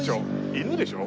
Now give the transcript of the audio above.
犬でしょ？